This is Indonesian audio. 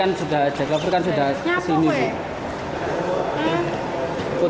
tidak tahu apa ya